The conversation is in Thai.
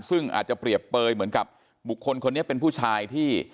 ซึ่งอาจจะเปรียบเปยเหมือนกับบุคคลคนนี้เป็นผู้ชายที่